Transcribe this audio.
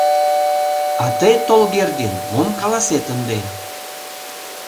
А тый, Толгердин, мом каласет ынде?